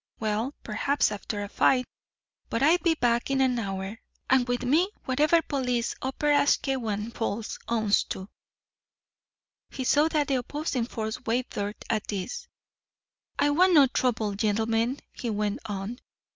Well, perhaps, after a fight. But I'd be back in an hour, and with me whatever police Upper Asquewan Falls owns to." He saw that the opposing force wavered at this. "I want no trouble, gentlemen," he went on.